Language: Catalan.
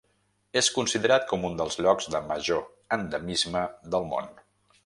És considerat com un dels llocs de major endemisme del món.